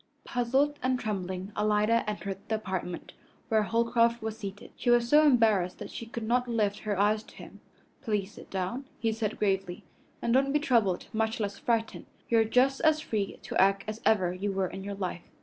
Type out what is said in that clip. Puzzled and trembling, Alida entered the apartment where Holcroft was seated. She was so embarrassed that she could not lift her eyes to him. "Please sit down," he said gravely, "and don't be troubled, much less frightened. You are just as free to act as ever you were in your life."